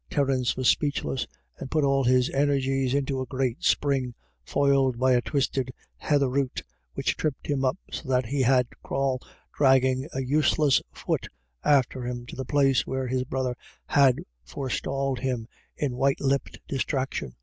Terence was speechless, and put all his energies into a great spring, foiled by a twisted heather root, which tripped him up, so that he had to crawl dragging a useless foot after him to the place where his brother had forestalled him in white lipped dis traction.